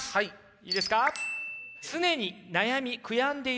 いいですか？